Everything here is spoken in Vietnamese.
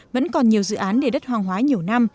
vẫn còn nhiều dự án để đất hoang hóa nhiều năm